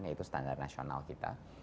yaitu standar nasional kita